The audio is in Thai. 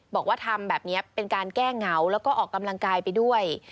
บอกว่าทำแบบนี้เป็นการแก้เหงาแล้วก็ออกกำลังกายไปด้วย